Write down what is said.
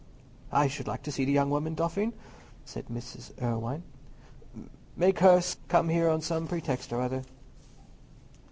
"I should like to see the young woman, Dauphin," said Mrs. Irwine. "Make her come here on some pretext or other."